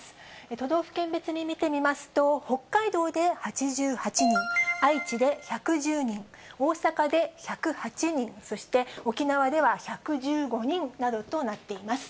都道府県別にみてみますと、北海道で８８人、愛知で１１０人、大阪で１０８人、そして沖縄では１１５人などとなっています。